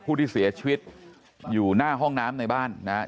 ผู้ที่เสียชีวิตอยู่หน้าห้องน้ำในบ้านนะครับ